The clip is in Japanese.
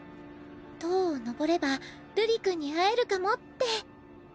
塔を上れば瑠璃君に会えるかもって。